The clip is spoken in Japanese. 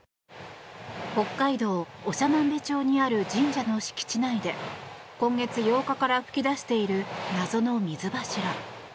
北海道長万部町にある神社の敷地内で今月８日から噴き出している謎の水柱。